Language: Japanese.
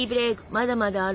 まだまだあるわよ